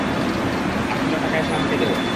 আর সেটার টাকা এসে আমাকে দেও।